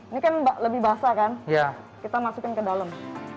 ini kan lebih basah kan kita masukin ke dalam